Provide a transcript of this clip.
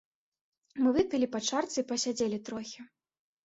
Мы выпілі па чарцы і пасядзелі трохі.